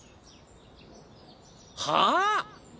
はあ